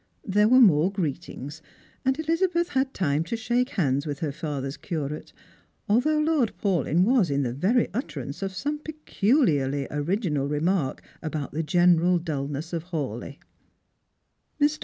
There were more greetings, and Elizabeth had time to shake hands with her father's cui ate, although Lord Paulyn was in the very utterance of some peculiarly original remark about the general dulness of Hawleigh. Mr.